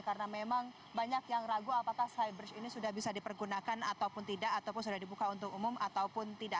karena memang banyak yang ragu apakah skybridge ini sudah bisa dipergunakan ataupun tidak ataupun sudah dibuka untuk umum ataupun tidak